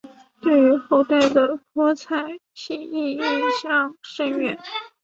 对于后代的泼彩写意影响深远。